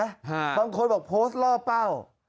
เอามาโพสบางคนบอกว่าโพสล่อเป้า